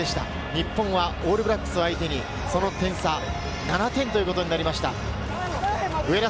日本はオールブラックスを相手にその点差は７点ということになりました。